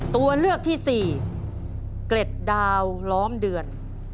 ตัวเลือกที่สี่เกล็ดดาวล้อมเดือน